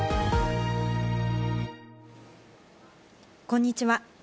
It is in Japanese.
こんにちは。